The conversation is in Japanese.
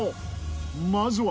まずは。